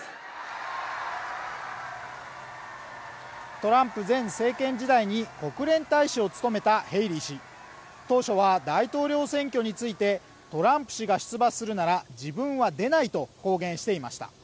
トランプ前政権時代に国連大使を務めたヘイリー氏当初は大統領選挙についてトランプ氏が出馬するなら自分は出ないと公言していました